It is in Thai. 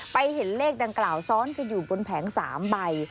เห็นเลขดังกล่าวซ้อนกันอยู่บนแผง๓ใบ